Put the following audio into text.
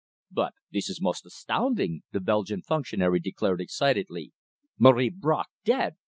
"But this is most astounding," the Belgian functionary declared excitedly. "Marie Bracq dead!